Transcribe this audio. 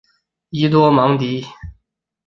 伊多芒迪。